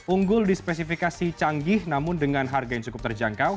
unggul di spesifikasi canggih namun dengan harga yang cukup terjangkau